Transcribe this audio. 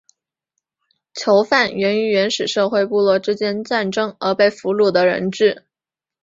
囚犯源于原始社会部落之间战争而被俘虏的人质。